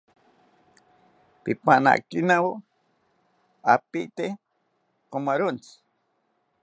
Pipanakenawo apiite pomarontzi